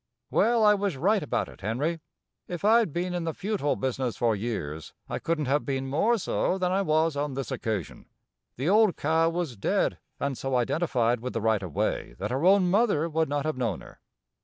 Well, I was right about it, Henry. If I'd been in the futile business for years I couldn't have been more so than I was on this occasion. The old cow was dead and so identified with the right of way, that her own mother would not have known her.